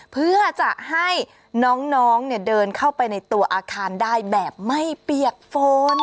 เพื่อจะให้น้องเดินเข้าไปในตัวอาคารได้แบบไม่เปียกฝน